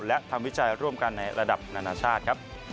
และทำวิจัยร่วมกันในระดับนานาชาติครับ